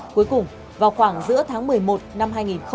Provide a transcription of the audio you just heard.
cuối cùng vào khoảng giữa tháng một mươi một năm hai nghìn